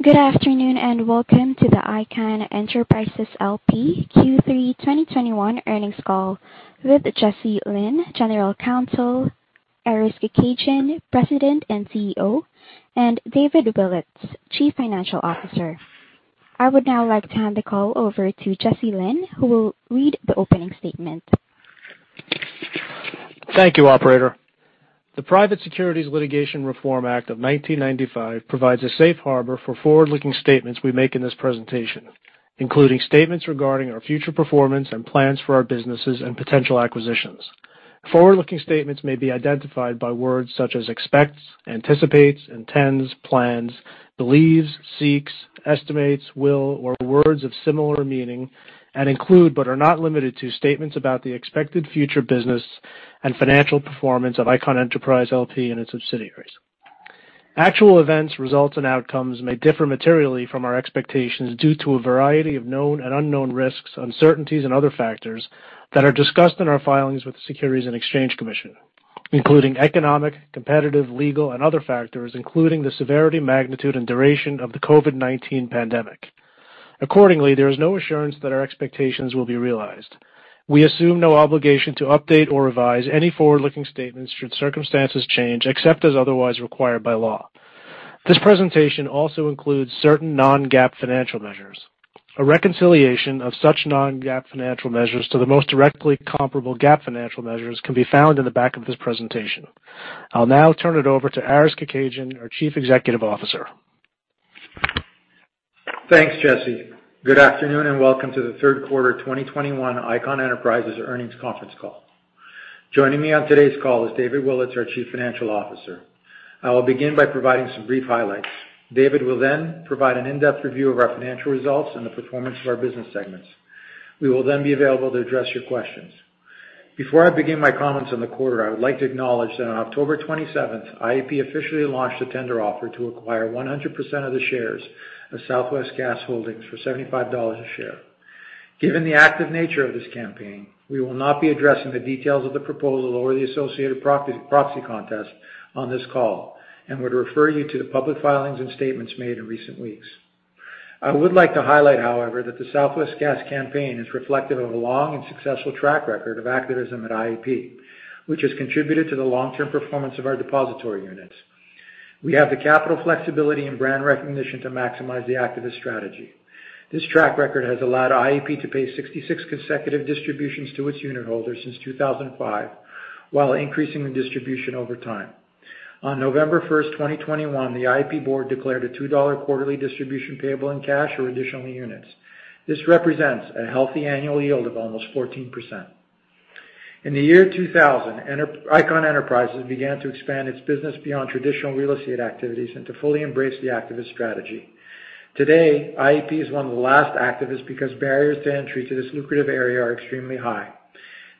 Good afternoon, and welcome to the Icahn Enterprises L.P. Q3 2021 earnings call with Jesse Lynn, General Counsel, Aris Kekedjian, President and CEO, and David Willetts, Chief Financial Officer. I would now like to hand the call over to Jesse Lynn, who will read the opening statement. Thank you, operator. The Private Securities Litigation Reform Act of 1995 provides a safe harbor for forward-looking statements we make in this presentation, including statements regarding our future performance and plans for our businesses and potential acquisitions. Forward-looking statements may be identified by words such as expects, anticipates, intends, plans, believes, seeks, estimates, will, or words of similar meaning, and include but are not limited to statements about the expected future business and financial performance of Icahn Enterprises L.P. and its subsidiaries. Actual events, results, and outcomes may differ materially from our expectations due to a variety of known and unknown risks, uncertainties and other factors that are discussed in our filings with the Securities and Exchange Commission, including economic, competitive, legal and other factors, including the severity, magnitude and duration of the COVID-19 pandemic. Accordingly, there is no assurance that our expectations will be realized. We assume no obligation to update or revise any forward-looking statements should circumstances change, except as otherwise required by law. This presentation also includes certain non-GAAP financial measures. A reconciliation of such non-GAAP financial measures to the most directly comparable GAAP financial measures can be found in the back of this presentation. I'll now turn it over to Aris Kekedjian, our Chief Executive Officer. Thanks, Jesse. Good afternoon, and welcome to the Third Quarter 2021 Icahn Enterprises Earnings Conference Call. Joining me on today's call is David Willetts, our Chief Financial Officer. I will begin by providing some brief highlights. David will then provide an in-depth review of our financial results and the performance of our business segments. We will then be available to address your questions. Before I begin my comments on the quarter, I would like to acknowledge that on October 27th, IEP officially launched a tender offer to acquire 100% of the shares of Southwest Gas Holdings for $75 a share. Given the active nature of this campaign, we will not be addressing the details of the proposal or the associated proxy contest on this call and would refer you to the public filings and statements made in recent weeks. I would like to highlight, however, that the Southwest Gas campaign is reflective of a long and successful track record of activism at IEP, which has contributed to the long-term performance of our depositary units. We have the capital flexibility and brand recognition to maximize the activist strategy. This track record has allowed IEP to pay 66 consecutive distributions to its unitholders since 2005, while increasing the distribution over time. On November 1st, 2021, the IEP board declared a $2 quarterly distribution payable in cash or additional units. This represents a healthy annual yield of almost 14%. In the year 2000, Icahn Enterprises began to expand its business beyond traditional real estate activities and to fully embrace the activist strategy. Today, IEP is one of the last activists because barriers to entry to this lucrative area are extremely high.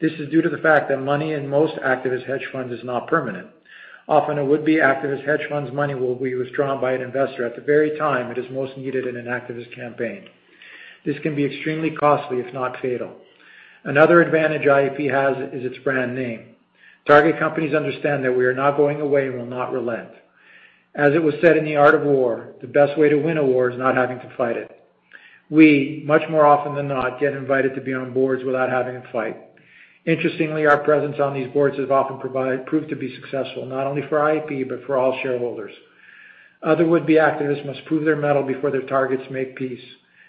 This is due to the fact that money in most activist hedge funds is not permanent. Often, a would-be activist hedge fund's money will be withdrawn by an investor at the very time it is most needed in an activist campaign. This can be extremely costly, if not fatal. Another advantage IEP has is its brand name. Target companies understand that we are not going away and will not relent. As it was said in The Art of War, "The best way to win a war is not having to fight it." We much more often than not get invited to be on boards without having to fight. Interestingly, our presence on these boards has often proved to be successful, not only for IEP, but for all shareholders. Other would-be activists must prove their mettle before their targets make peace.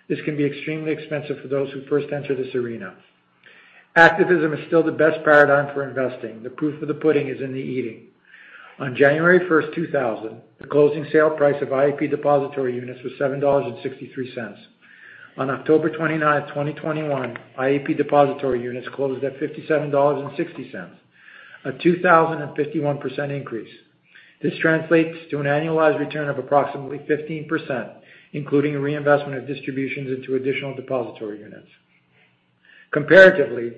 This can be extremely expensive for those who first enter this arena. Activism is still the best paradigm for investing. The proof of the pudding is in the eating. On January 1st, 2000, the closing sale price of IEP depositary units was $7.63. On October 29th, 2021, IEP depositary units closed at $57.60, a 2,051% increase. This translates to an annualized return of approximately 15%, including reinvestment of distributions into additional depositary units. Comparatively,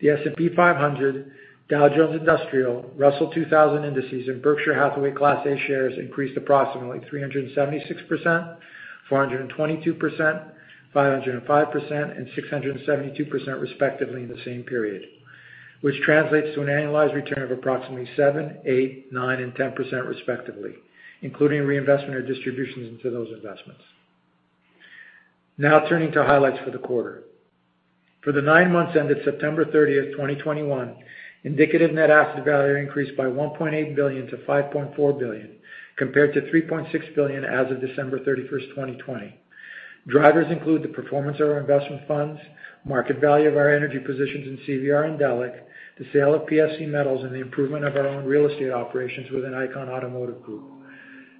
the S&P 500, Dow Jones Industrial Average, Russell 2000 indices, and Berkshire Hathaway Class A shares increased approximately 376%, 422%, 505%, and 672% respectively in the same period, which translates to an annualized return of approximately 7%, 8%, 9%, and 10% respectively, including reinvestment or distributions into those investments. Now turning to highlights for the quarter. For the nine months ended September 30th, 2021, Indicative Net Asset Value increased by $1.8 billion to $5.4 billion, compared to $3.6 billion as of December 31st, 2020. Drivers include the performance of our investment funds, market value of our energy positions in CVR and Delek, the sale of PSC Metals, and the improvement of our own real estate operations within Icahn Automotive Group.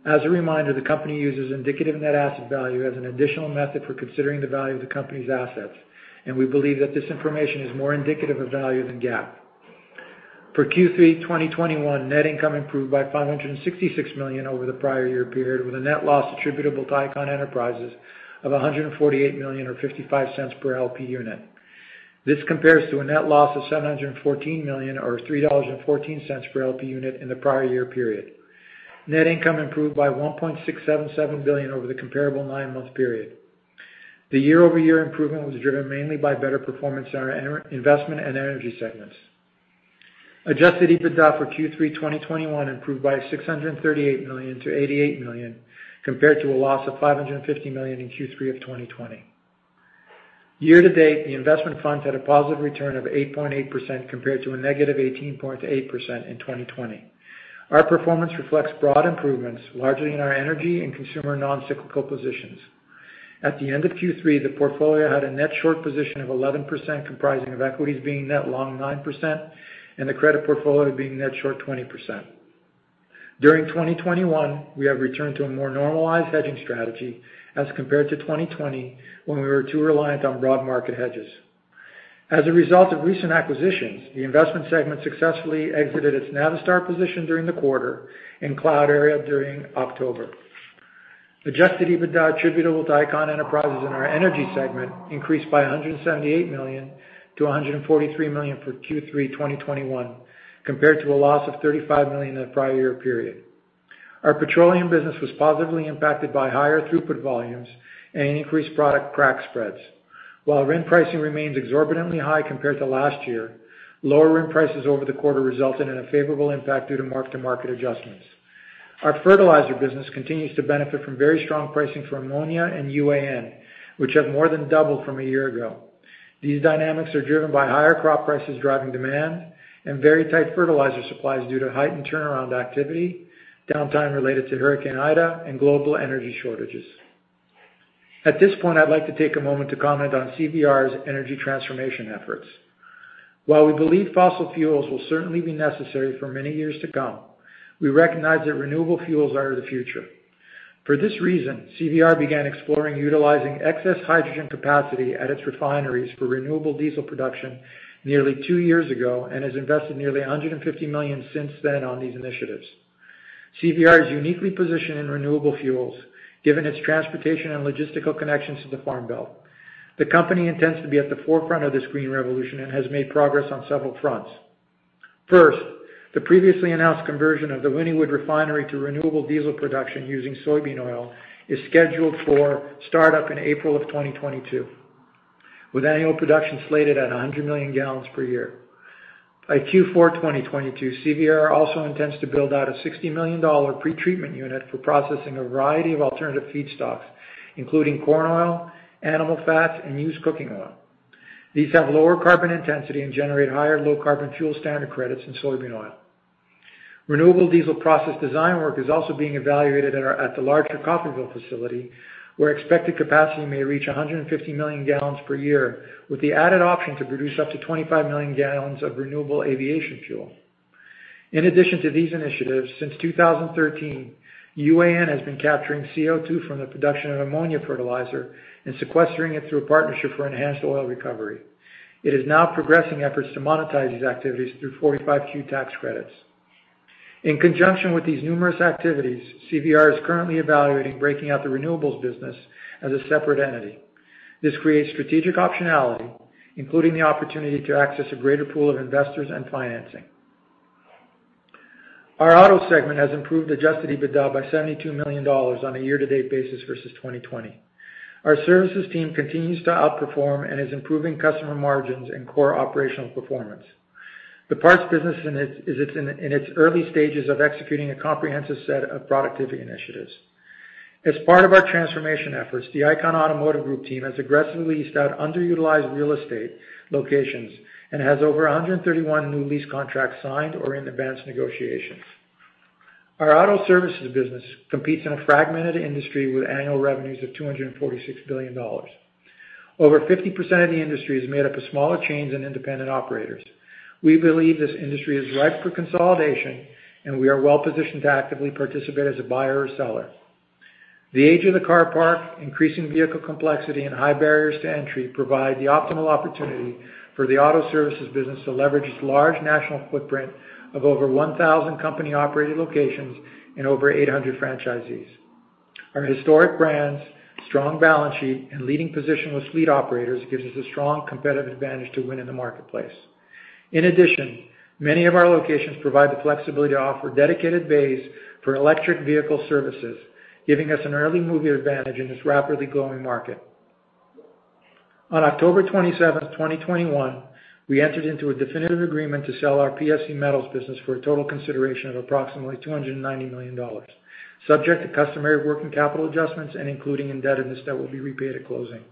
As a reminder, the company uses Indicative Net Asset Value as an additional method for considering the value of the company's assets, and we believe that this information is more indicative of value than GAAP. For Q3 2021, net income improved by $566 million over the prior year period, with a net loss attributable to Icahn Enterprises of $148 million or $0.55 per LP unit. This compares to a net loss of $714 million or $3.14 per LP unit in the prior year period. Net income improved by $1.677 billion over the comparable nine-month period. The year-over-year improvement was driven mainly by better performance in our investment and energy segments. Adjusted EBITDA for Q3 2021 improved by $638 million to $88 million, compared to a loss of $550 million in Q3 of 2020. Year to date, the investment funds had a positive return of 8.8% compared to a -18.8% in 2020. Our performance reflects broad improvements, largely in our energy and consumer non-cyclical positions. At the end of Q3, the portfolio had a net short position of 11% comprising of equities being net long 9%, and the credit portfolio being net short 20%. During 2021, we have returned to a more normalized hedging strategy as compared to 2020, when we were too reliant on broad market hedges. As a result of recent acquisitions, the investment segment successfully exited its Navistar position during the quarter in Cloudera during October. Adjusted EBITDA attributable to Icahn Enterprises in our energy segment increased by $178 million to $143 million for Q3 2021, compared to a loss of $35 million in the prior year period. Our petroleum business was positively impacted by higher throughput volumes and increased product crack spreads. While RIN pricing remains exorbitantly high compared to last year, lower RIN prices over the quarter resulted in a favorable impact due to mark-to-market adjustments. Our fertilizer business continues to benefit from very strong pricing for ammonia and UAN, which have more than doubled from a year ago. These dynamics are driven by higher crop prices driving demand and very tight fertilizer supplies due to heightened turnaround activity, downtime related to Hurricane Ida, and global energy shortages. At this point, I'd like to take a moment to comment on CVR's energy transformation efforts. While we believe fossil fuels will certainly be necessary for many years to come, we recognize that renewable fuels are the future. For this reason, CVR began exploring utilizing excess hydrogen capacity at its refineries for renewable diesel production nearly two years ago and has invested nearly $150 million since then on these initiatives. CVR is uniquely positioned in renewable fuels, given its transportation and logistical connections to the Farm Belt. The company intends to be at the forefront of this green revolution and has made progress on several fronts. First, the previously announced conversion of the Wynnewood Refinery to renewable diesel production using soybean oil is scheduled for startup in April of 2022, with annual production slated at 100 million gal per year. By Q4 2022, CVR also intends to build out a $60 million pretreatment unit for processing a variety of alternative feedstocks, including corn oil, animal fats, and used cooking oil. These have lower carbon intensity and generate higher Low Carbon Fuel Standard credits than soybean oil. Renewable diesel process design work is also being evaluated at the larger Coffeyville facility, where expected capacity may reach 150 million gal per year, with the added option to produce up to 25 million gal of renewable aviation fuel. In addition to these initiatives, since 2013, UAN has been capturing CO2 from the production of ammonia fertilizer and sequestering it through a partnership for enhanced oil recovery. It is now progressing efforts to monetize these activities through 45Q tax credits. In conjunction with these numerous activities, CVR is currently evaluating breaking out the renewables business as a separate entity. This creates strategic optionality, including the opportunity to access a greater pool of investors and financing. Our auto segment has improved Adjusted EBITDA by $72 million on a year-to-date basis versus 2020. Our services team continues to outperform and is improving customer margins and core operational performance. The parts business is in its early stages of executing a comprehensive set of productivity initiatives. As part of our transformation efforts, the Icahn Automotive Group team has aggressively leased out underutilized real estate locations and has over 131 new lease contracts signed or in advanced negotiations. Our auto services business competes in a fragmented industry with annual revenues of $246 billion. Over 50% of the industry is made up of smaller chains and independent operators. We believe this industry is ripe for consolidation, and we are well positioned to actively participate as a buyer or seller. The age of the car park, increasing vehicle complexity, and high barriers to entry provide the optimal opportunity for the auto services business to leverage its large national footprint of over 1,000 company-operated locations and over 800 franchisees. Our historic brands, strong balance sheet, and leading position with fleet operators gives us a strong competitive advantage to win in the marketplace. In addition, many of our locations provide the flexibility to offer dedicated bays for electric vehicle services, giving us an early mover advantage in this rapidly growing market. On October 27th, 2021, we entered into a definitive agreement to sell our PSC Metals business for a total consideration of approximately $290 million, subject to customary working capital adjustments and including indebtedness that will be repaid at closing.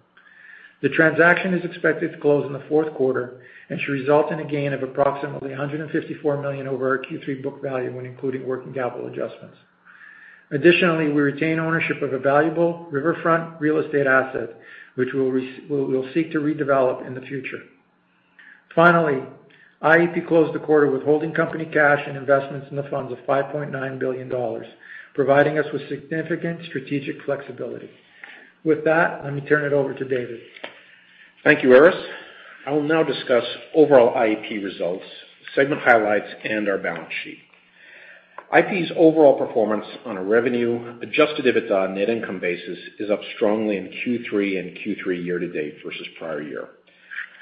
The transaction is expected to close in the fourth quarter and should result in a gain of approximately $154 million over our Q3 book value when including working capital adjustments. Additionally, we retain ownership of a valuable riverfront real estate asset, which we will seek to redevelop in the future. Finally, IEP closed the quarter with holding company cash and investments in the funds of $5.9 billion, providing us with significant strategic flexibility. With that, let me turn it over to David. Thank you, Aris. I will now discuss overall IEP results, segment highlights, and our balance sheet. IEP's overall performance on a revenue, Adjusted EBITDA, net income basis is up strongly in Q3 and Q3 year-to-date versus prior year.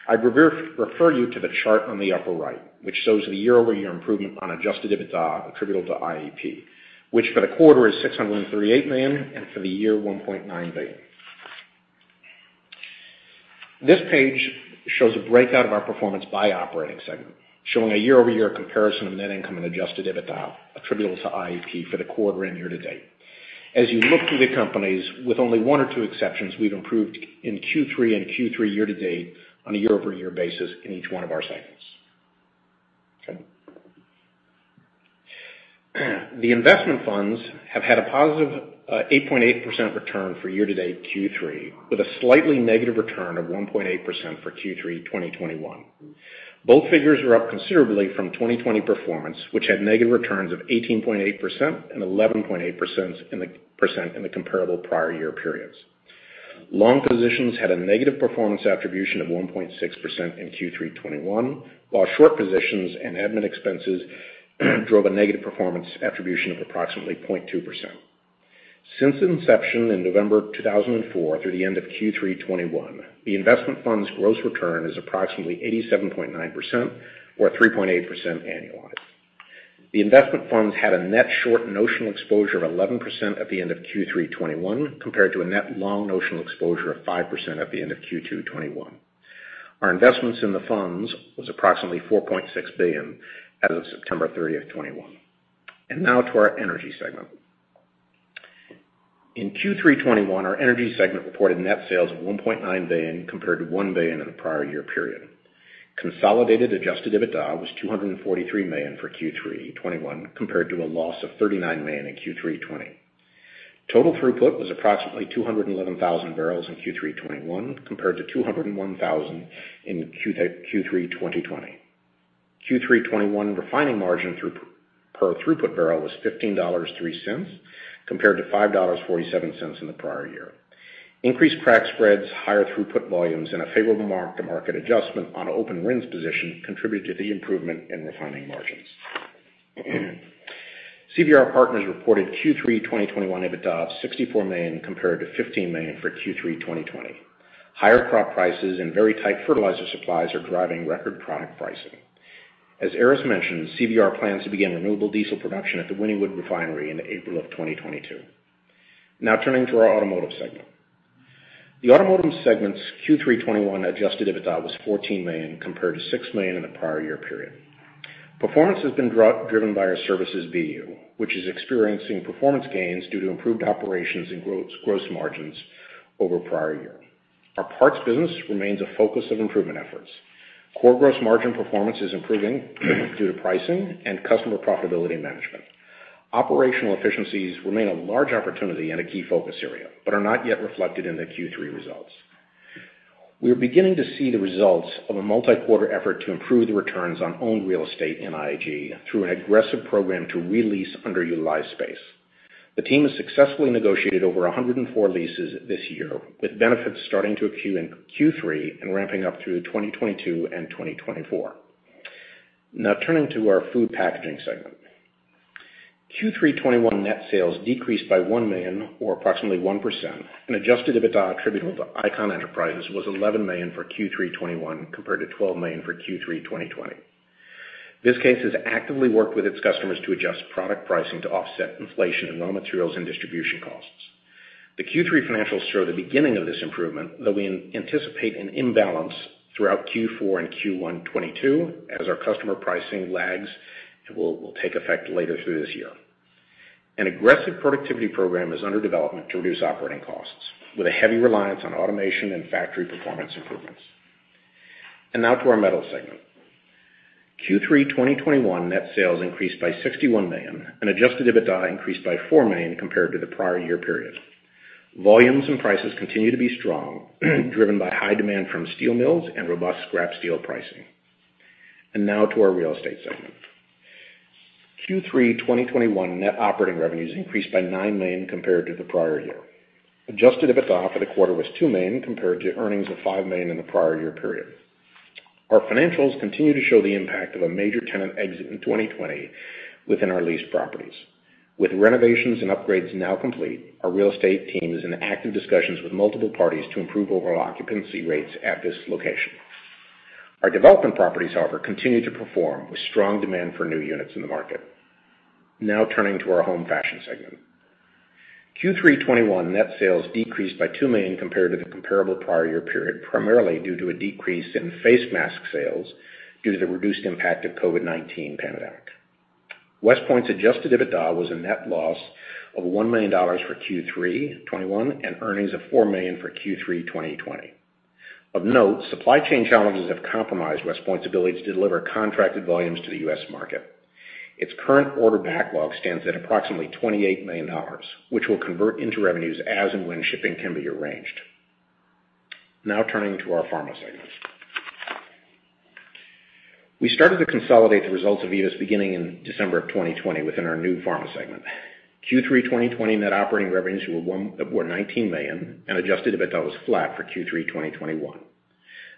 I refer you to the chart on the upper right, which shows the year-over-year improvement on Adjusted EBITDA attributable to IEP, which for the quarter is $638 million and for the year, $1.9 billion. This page shows a breakout of our performance by operating segment, showing a year-over-year comparison of net income and Adjusted EBITDA attributable to IEP for the quarter and year-to-date. As you look through the companies, with only one or two exceptions, we've improved in Q3 and Q3 year-to-date on a year-over-year basis in each one of our segments. Okay. The investment funds have had a +8.8% return for year-to-date Q3, with a slightly negative return of 1.8% for Q3 2021. Both figures are up considerably from 2020 performance, which had negative returns of 18.8% and 11.8% in the comparable prior year periods. Long positions had a negative performance attribution of 1.6% in Q3 2021, while short positions and admin expenses drove a negative performance attribution of approximately 0.2%. Since inception in November 2004 through the end of Q3 2021, the investment fund's gross return is approximately 87.9% or 3.8% annualized. The investment funds had a net short notional exposure of 11% at the end of Q3 2021, compared to a net long notional exposure of 5% at the end of Q2 2021. Our investments in the funds was approximately $4.6 billion as of September 30th, 2021. Now to our energy segment. In Q3 2021, our energy segment reported net sales of $1.9 billion, compared to $1 billion in the prior year period. Consolidated adjusted EBITDA was $243 million for Q3 2021, compared to a loss of $39 million in Q3 2020. Total throughput was approximately 211,000 bbl in Q3 2021, compared to 201,000 bbl in Q3 2020. Q3 2021 refining margin per throughput barrel was $15.03, compared to $5.47 in the prior year. Increased crack spreads, higher throughput volumes, and a favorable mark-to-market adjustment on open hedges position contributed to the improvement in refining margins. CVR Partners reported Q3 2021 EBITDA of $64 million, compared to $15 million for Q3 2020. Higher crop prices and very tight fertilizer supplies are driving record product pricing. As Aris mentioned, CVR plans to begin renewable diesel production at the Wynnewood Refinery in April of 2022. Now turning to our automotive segment. The automotive segment's Q3 2021 adjusted EBITDA was $14 million, compared to $6 million in the prior year period. Performance has been driven by our services BU, which is experiencing performance gains due to improved operations and gross margins over prior year. Our parts business remains a focus of improvement efforts. Core gross margin performance is improving due to pricing and customer profitability management. Operational efficiencies remain a large opportunity and a key focus area, but are not yet reflected in the Q3 results. We are beginning to see the results of a multi-quarter effort to improve the returns on owned real estate in IIG through an aggressive program to re-lease underutilized space. The team has successfully negotiated over 104 leases this year, with benefits starting to accrue in Q3 and ramping up through 2022 and 2024. Now turning to our food packaging segment. Q3 2021 net sales decreased by $1 million or approximately 1%, and adjusted EBITDA attributable to Icahn Enterprises was $11 million for Q3 2021, compared to $12 million for Q3 2020. Viskase has actively worked with its customers to adjust product pricing to offset inflation in raw materials and distribution costs. The Q3 financials show the beginning of this improvement, though we anticipate an imbalance throughout Q4 and Q1 2022 as our customer pricing lags and will take effect later through this year. An aggressive productivity program is under development to reduce operating costs with a heavy reliance on automation and factory performance improvements. Now to our metals segment. Q3 2021 net sales increased by $61 million, and Adjusted EBITDA increased by $4 million compared to the prior year period. Volumes and prices continue to be strong, driven by high demand from steel mills and robust scrap steel pricing. Now to our real estate segment. Q3 2021 net operating revenues increased by $9 million compared to the prior year. Adjusted EBITDA for the quarter was $2 million, compared to earnings of $5 million in the prior year period. Our financials continue to show the impact of a major tenant exit in 2020 within our leased properties. With renovations and upgrades now complete, our real estate team is in active discussions with multiple parties to improve overall occupancy rates at this location. Our development properties, however, continue to perform with strong demand for new units in the market. Now turning to our home fashion segment. Q3 2021 net sales decreased by $2 million compared to the comparable prior year period, primarily due to a decrease in face mask sales due to the reduced impact of COVID-19 pandemic. WestPoint's adjusted EBITDA was a net loss of $1 million for Q3 2021 and earnings of $4 million for Q3 2020. Of note, supply chain challenges have compromised WestPoint's ability to deliver contracted volumes to the U.S. market. Its current order backlog stands at approximately $28 million, which will convert into revenues as and when shipping can be arranged. Now turning to our Pharma segment. We started to consolidate the results of Vivus beginning in December of 2020 within our new Pharma segment. Q3 2020 net operating revenues were $19 million, and Adjusted EBITDA was flat for Q3 2021.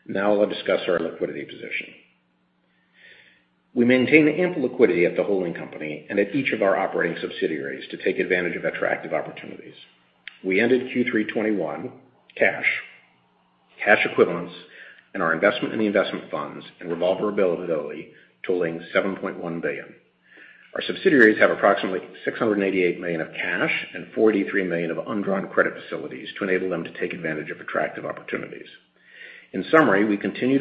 Now I'll discuss our liquidity position. We maintain ample liquidity at the holding company and at each of our operating subsidiaries to take advantage of attractive opportunities. We ended Q3 2021, cash equivalents, and our investment in the investment funds and revolver availability totaling $7.1 billion. Our subsidiaries have approximately $688 million of cash and $43 million of undrawn credit facilities to enable them to take advantage of attractive opportunities. In summary, we continue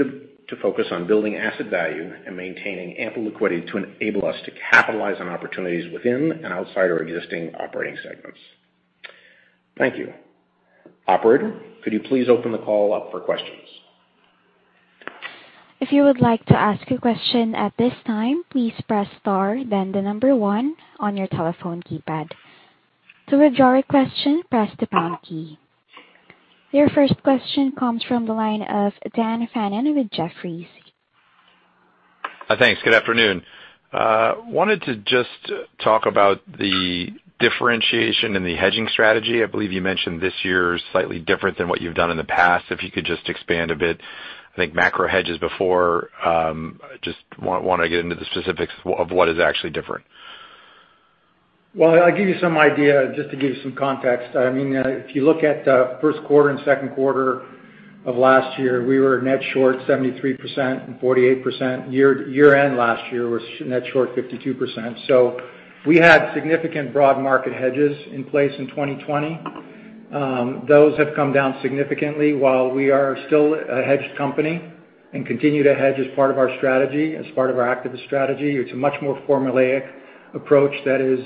to focus on building asset value and maintaining ample liquidity to enable us to capitalize on opportunities within and outside our existing operating segments. Thank you. Operator, could you please open the call up for questions? Your first question comes from the line of Daniel Fannon with Jefferies. Thanks. Good afternoon. I wanted to just talk about the differentiation in the hedging strategy. I believe you mentioned this year is slightly different than what you've done in the past. If you could just expand a bit. I think macro hedges before, just want to get into the specifics of what is actually different. Well, I'll give you some idea just to give you some context. I mean, if you look at first quarter and second quarter of last year, we were net short 73% and 48%. Year-end last year was net short 52%. We had significant broad market hedges in place in 2020. Those have come down significantly. While we are still a hedged company and continue to hedge as part of our strategy, as part of our activist strategy, it's a much more formulaic approach that is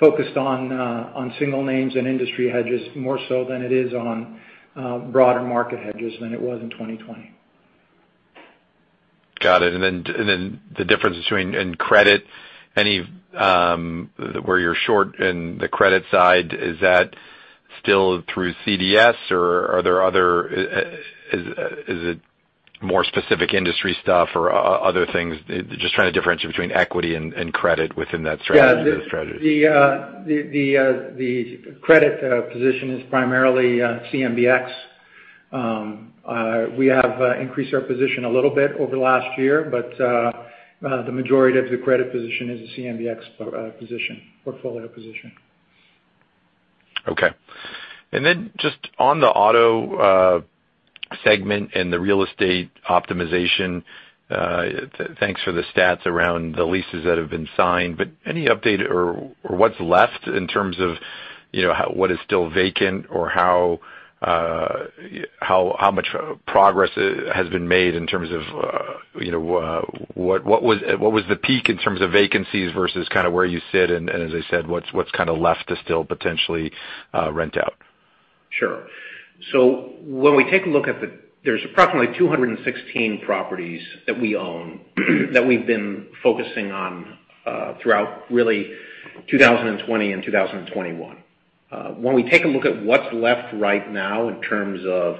focused on single names and industry hedges more so than it is on broader market hedges than it was in 2020. Got it. The difference between equity and credit, anywhere you're short in the credit side, is that still through CDS or are there other things? Is it more specific industry stuff or other things? Just trying to differentiate between equity and credit within that strategy. Yeah Those strategies. The credit position is primarily CMBX. We have increased our position a little bit over the last year, but the majority of the credit position is a CMBX position, portfolio position. Okay. Just on the auto segment and the real estate optimization, thanks for the stats around the leases that have been signed. Any update or what's left in terms of, you know, what is still vacant or how much progress has been made in terms of, you know, what was the peak in terms of vacancies versus kind of where you sit, and as I said, what's kind of left to still potentially rent out? Sure. When we take a look, there's approximately 216 properties that we own that we've been focusing on throughout really 2020 and 2021. When we take a look at what's left right now in terms of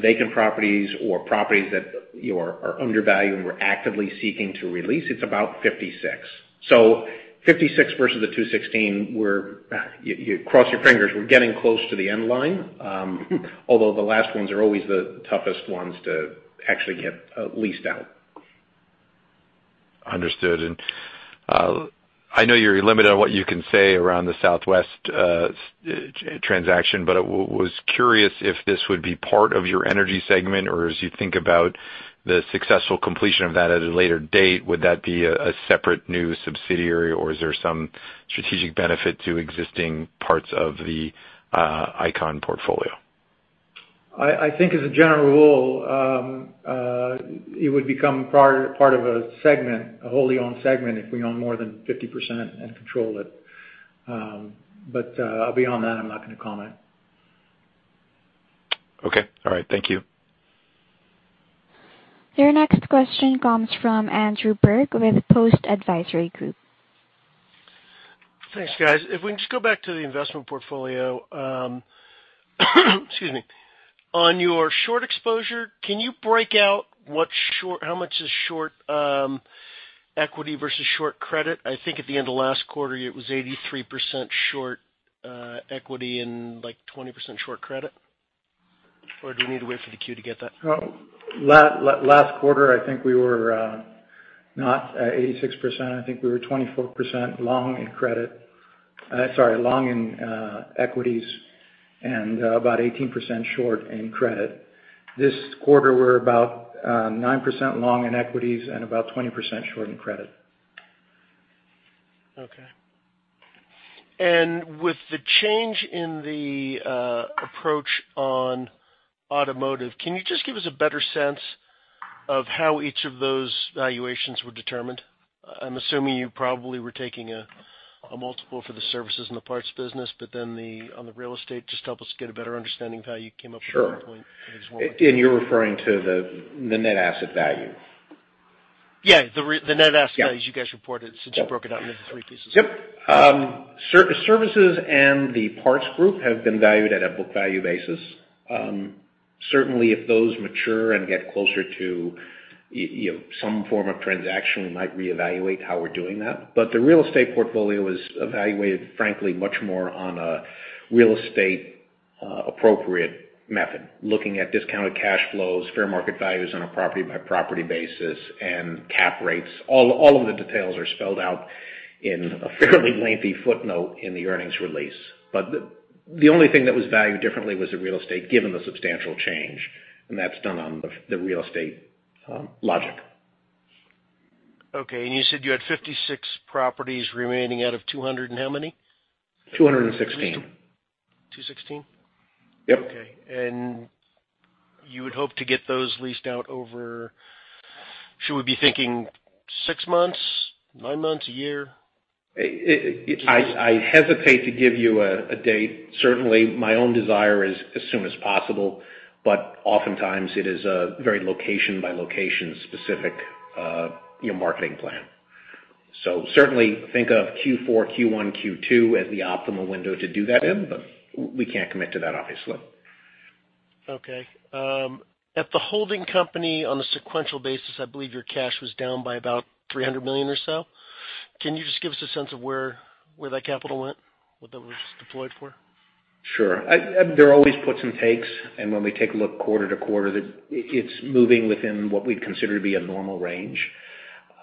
vacant properties or properties that are undervalued and we're actively seeking to release, it's about 56. Fifty-six versus the 216, you cross your fingers, we're getting close to the end line. Although the last ones are always the toughest ones to actually get leased out. Understood. I know you're limited on what you can say around the Southwest transaction, but was curious if this would be part of your energy segment or as you think about the successful completion of that at a later date, would that be a separate new subsidiary, or is there some strategic benefit to existing parts of the Icahn portfolio? I think as a general rule, it would become part of a segment, a wholly owned segment if we own more than 50% and control it. Beyond that, I'm not gonna comment. Okay. All right. Thank you. Your next question comes from Andrew Berg with Post Advisory Group. Thanks, guys. If we can just go back to the investment portfolio, excuse me. On your short exposure, can you break out how much is short equity versus short credit? I think at the end of last quarter, it was 83% short equity and, like, 20% short credit. Or do we need to wait for the Q to get that? Last quarter, I think we were not at 86%. I think we were 24% long in credit. Sorry, long in equities and about 18% short in credit. This quarter, we're about 9% long in equities and about 20% short in credit. Okay. With the change in the approach on automotive, can you just give us a better sense of how each of those valuations were determined? I'm assuming you probably were taking a multiple for the services and the parts business, but then, on the real estate, just help us get a better understanding of how you came up with that point. Sure. I just want You're referring to the net asset value. Yeah, the Net Asset Value. Yeah As you guys reported since you broke it out into three pieces. Yep. Services and the parts group have been valued at a book value basis. Certainly, if those mature and get closer to you know, some form of transaction, we might reevaluate how we're doing that. The real estate portfolio is evaluated, frankly, much more on a real estate appropriate method, looking at discounted cash flows, fair market values on a property by property basis and cap rates. All of the details are spelled out In a fairly lengthy footnote in the earnings release. The only thing that was valued differently was the real estate, given the substantial change, and that's done on the real estate logic. Okay. You said you had 56 properties remaining out of 200 and how many? 216. 2:16? Yep. Okay. You would hope to get those leased out. Should we be thinking six months, nine months, a year? It-it-it- Just- I hesitate to give you a date. Certainly, my own desire is as soon as possible, but oftentimes it is a very location-by-location specific, you know, marketing plan. Certainly think of Q4, Q1, Q2 as the optimal window to do that in, but we can't commit to that, obviously. Okay. At the holding company on a sequential basis, I believe your cash was down by about $300 million or so. Can you just give us a sense of where that capital went, what that was deployed for? Sure. There are always puts and takes, and when we take a look quarter to quarter, it's moving within what we'd consider to be a normal range.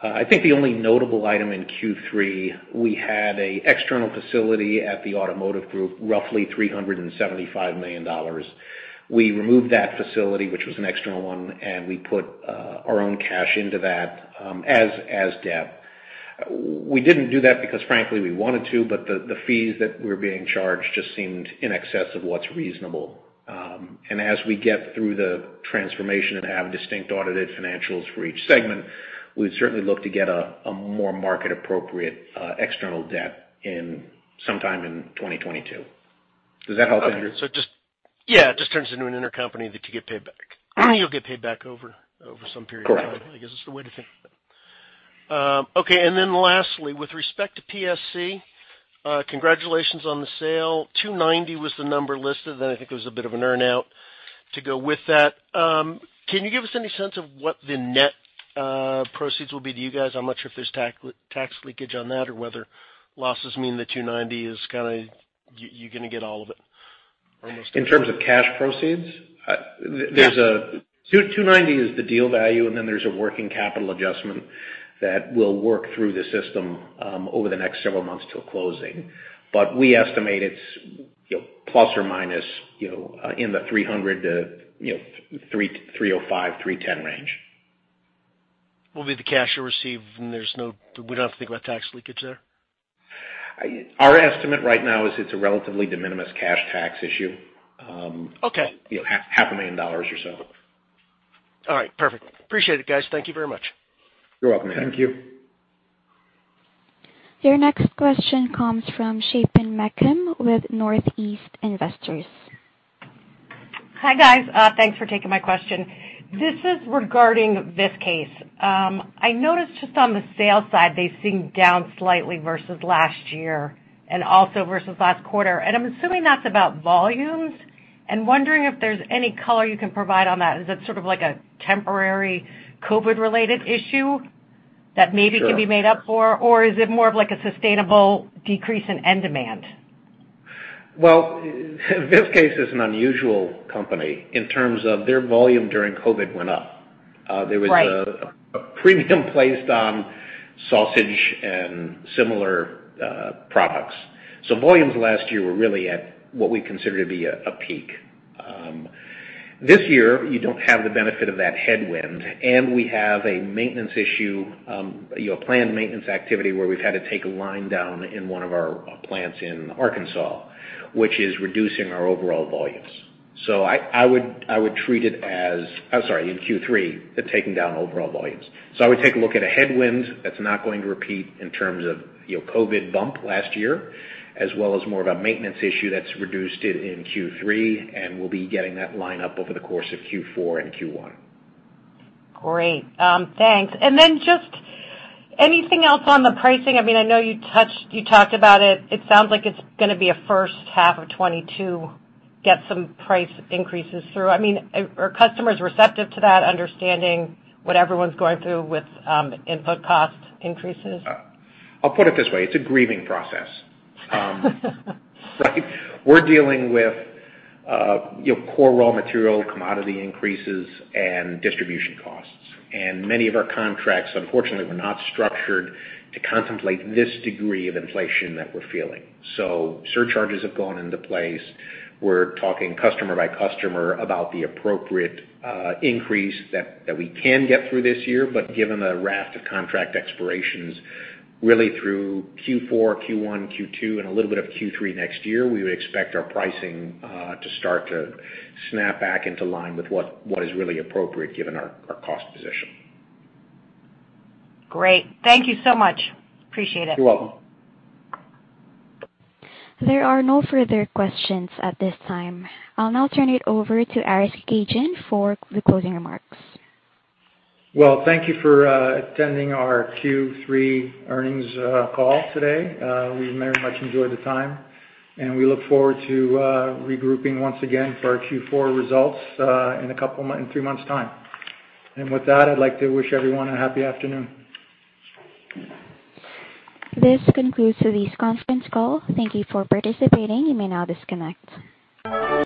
I think the only notable item in Q3, we had an external facility at the automotive group, roughly $375 million. We removed that facility, which was an external one, and we put our own cash into that as debt. We didn't do that because frankly we wanted to, but the fees that we were being charged just seemed in excess of what's reasonable. And as we get through the transformation and have distinct audited financials for each segment, we'd certainly look to get a more market appropriate external debt in sometime in 2022. Does that help, Andrew? It just turns into an intercompany that you get paid back. You'll get paid back over some period of time- Correct. I guess is the way to think of it. Okay. Lastly, with respect to PSC, congratulations on the sale. $290 was the number listed, then I think it was a bit of an earn out to go with that. Can you give us any sense of what the net proceeds will be to you guys? I'm not sure if there's tax leakage on that or whether losses mean the $290 is kinda, you're gonna get all of it almost. In terms of cash proceeds? Yeah. 290 is the deal value, and then there's a working capital adjustment that will work through the system over the next several months till closing. We estimate it's, you know, plus or minus, you know, in the $300-$305, $310 range. Will be the cash you'll receive and there's no, we don't have to think about tax leakage there? Our estimate right now is it's a relatively de minimis cash tax issue. Okay. You know, $500,000 or so. All right. Perfect. Appreciate it, guys. Thank you very much. You're welcome, Andrew. Thank you. Your next question comes from Chapin Mechem with Northeast Investors. Hi, guys. Thanks for taking my question. This is regarding Viskase. I noticed just on the sales side, they seem down slightly versus last year and also versus last quarter, and I'm assuming that's about volumes. I'm wondering if there's any color you can provide on that. Is that sort of like a temporary COVID-related issue that maybe? Sure. Can be made up for? Or is it more of like a sustainable decrease in end demand? Well, Viskase is an unusual company in terms of their volume during COVID went up. Right. A premium placed on sausage and similar products. Volumes last year were really at what we consider to be a peak. This year, you don't have the benefit of that tailwind, and we have a maintenance issue, you know, planned maintenance activity where we've had to take a line down in one of our plants in Arkansas, which is reducing our overall volumes. So I would treat it as, I'm sorry, in Q3 that's taking down overall volumes. So I would take a look at a tailwind that's not going to repeat in terms of, you know, COVID bump last year, as well as more of a maintenance issue that's reduced it in Q3, and we'll be getting that line up over the course of Q4 and Q1. Great. Thanks. Just anything else on the pricing? I mean, I know you talked about it. It sounds like it's gonna be a first half of 2022, get some price increases through. I mean, are customers receptive to that, understanding what everyone's going through with input cost increases? I'll put it this way: It's a grieving process. Right? We're dealing with, you know, core raw material, commodity increases, and distribution costs. Many of our contracts, unfortunately, were not structured to contemplate this degree of inflation that we're feeling. Surcharges have gone into place. We're talking customer by customer about the appropriate increase that we can get through this year. Given the raft of contract expirations really through Q4, Q1, Q2, and a little bit of Q3 next year, we would expect our pricing to start to snap back into line with what is really appropriate given our cost position. Great. Thank you so much. Appreciate it. You're welcome. There are no further questions at this time. I'll now turn it over to Aris Kekedjian for the closing remarks. Well, thank you for attending our Q3 earnings call today. We very much enjoyed the time, and we look forward to regrouping once again for our Q4 results in three months' time. With that, I'd like to wish everyone a happy afternoon. This concludes today's conference call. Thank you for participating. You may now disconnect.